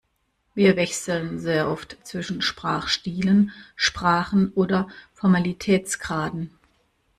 Wir wechseln sehr oft zwischen Sprachstilen, Sprachen oder Formalitätsgraden.